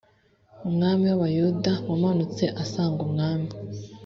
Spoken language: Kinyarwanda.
umwami w abayuda yamanutse asanga umwami